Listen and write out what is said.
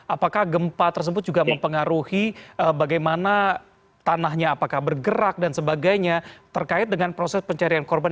apakah gempa tersebut juga mempengaruhi bagaimana tanahnya apakah bergerak dan sebagainya terkait dengan proses pencarian korban